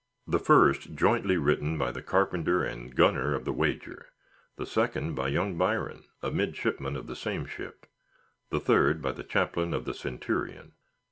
The first, jointly written by the carpenter and gunner of the Wager; the second by young Byron, a midshipman in the same ship; the third, by the chaplain of the Centurion.